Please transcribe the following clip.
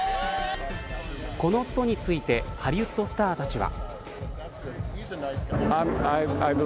このストについてハリウッドスターたちは。